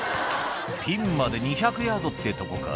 「ピンまで２００ヤードってとこか」